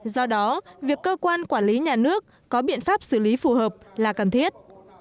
do đó việc cơ quan quản lý nhà nước có biện pháp xử lý phù hợp là cần thiết